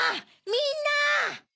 みんな！